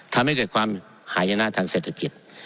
ทำให้เกิดความหายนะทางเศรษฐกิจ